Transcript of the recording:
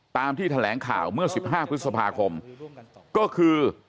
ตามที่แถลงข่าวเมื่อ๑๕พฤษภาคมก็คือ